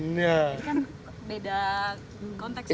ini kan beda konteks ya